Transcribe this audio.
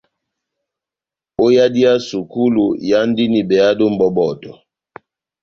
Ó yadi ya sukulu, ihándini behado mʼbɔbɔtɔ.